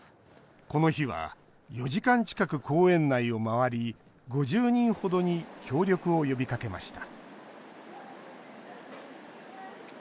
この日は４時間近く公園内を回り５０人ほどに協力を呼びかけました